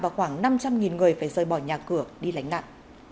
và khoảng năm trăm linh người phải rời bỏ nhà cửa đi lánh nạn